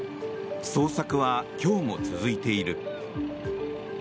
捜索は今日も続いている。